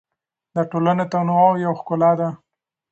د ټولنې تنوع یو ښکلا ده.